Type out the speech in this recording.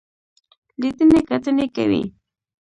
لیدنې کتنې کوي.